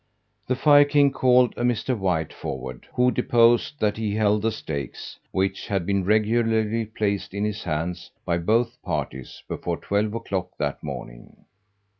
The fire king called a Mr. White forward, who deposed that he held the stakes, which had been regularly placed in his hands, by both parties, before twelve o'clock that morning.